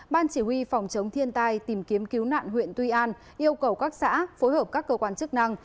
ban chỉ huy phòng chống thiên tai tìm kiếm cứu nạn huyện tuy an yêu cầu các xã phối hợp các cơ quan chức năng